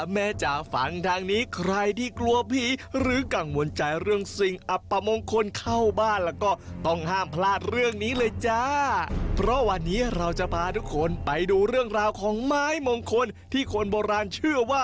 มีอะไรบ้างเราไปดูกันเลย